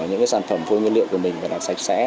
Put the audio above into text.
những sản phẩm phương nguyên liệu của mình phải sạch sẽ